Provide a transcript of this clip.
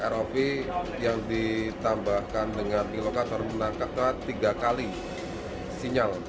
rov yang ditambahkan dengan di lokator menangkap tiga kali sinyal